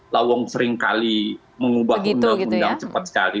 lawong seringkali mengubah undang undang cepat sekali